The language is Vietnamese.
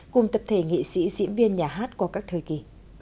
cùng tập thể nghị sĩ diễn viên nhà hát qua các thời kỳ